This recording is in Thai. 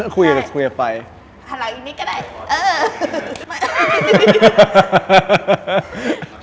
คุยกับฟัย